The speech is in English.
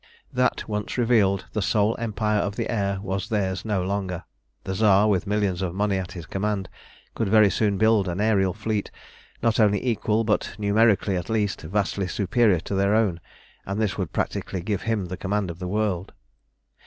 That once revealed, the sole empire of the air was theirs no longer. The Tsar, with millions of money at his command, could very soon build an aërial fleet, not only equal, but, numerically at least, vastly superior to their own, and this would practically give him the command of the world.